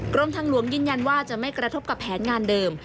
กรมทางหลวงยืนยันว่าจะไม่กระทบกับแผนงานเดิม